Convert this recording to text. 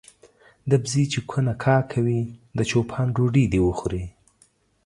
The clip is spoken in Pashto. د بزې چې کونه کا کوي د چو پان ډوډۍ دي وخوري.